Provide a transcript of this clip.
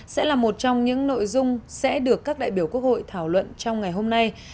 sẽ là một trong những nội dung sẽ được các đại biểu quốc hội thảo luận trong ngày hôm nay